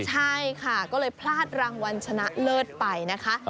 ใช่ค่ะก็เลยพลาดรางวัลชนะเลิศไปนะคะ